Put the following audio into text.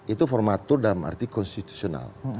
itu formatur dalam arti konstitusional